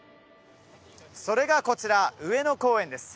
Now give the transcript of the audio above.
それがこちら上野公園です